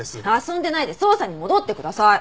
遊んでないで捜査に戻ってください！